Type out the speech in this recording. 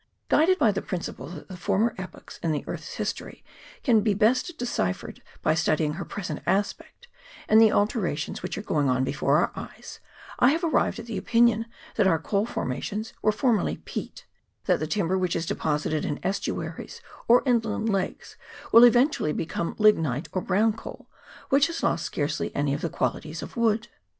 Guided by the principle that the former epochs in the earth's history can be best deciphered by studying her present aspect and the alterations which are going on before our eyes, I have arrived at the opinion that our coal formations were for merly peat ; that the timber which is deposited in estuaries or inland lakes will ultimately become lig nite, or brown coal, which has lost scarcely any of the qualities of wood.